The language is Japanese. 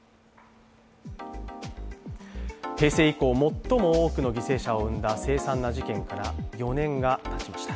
平成以降、最も多くの犠牲者を生んだ凄惨な事件から４年がたちました。